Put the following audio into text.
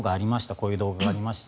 こういう動画がありました。